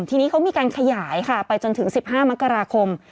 ทีนี้เขามีการขยายค่ะไปจนถึง๑๕มกราคม